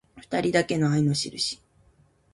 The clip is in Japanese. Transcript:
ふたりだけの愛のしるし